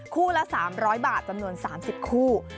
คู่ละ๓๐๐บาทจำนวน๓๐คู่